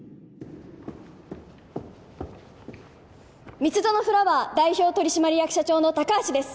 蜜園フラワー代表取締役社長の高橋です